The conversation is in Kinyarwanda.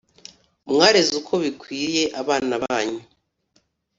mwareze uko bikwiye abana banyu